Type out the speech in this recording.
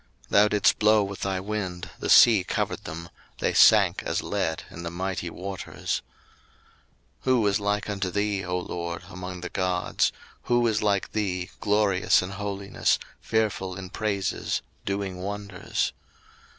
02:015:010 Thou didst blow with thy wind, the sea covered them: they sank as lead in the mighty waters. 02:015:011 Who is like unto thee, O LORD, among the gods? who is like thee, glorious in holiness, fearful in praises, doing wonders?